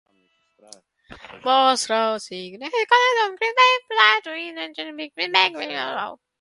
Both route signs continue on Greenway Drive to its intersection with Big Bear Boulevard.